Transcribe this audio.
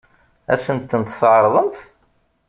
Ad sen-tent-tɛeṛḍemt?